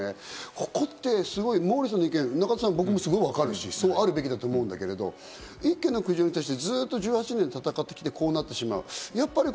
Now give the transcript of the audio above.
ここってモーリーさんの意見、僕もよくわかるし、そうあるべきだと思うんだけど、１軒の苦情に対してずっと１８年戦ってきて、こうなってしまう。